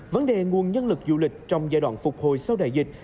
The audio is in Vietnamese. vấn đề nguồn nhân lực du lịch trong giai đoạn phục hồi sau đại dịch